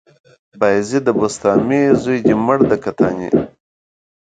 بايزيده بسطامي، زوى دې مړ د کتاني